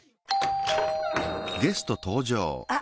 あっ！